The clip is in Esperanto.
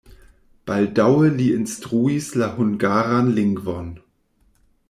Baldaŭe li instruis la hungaran lingvon.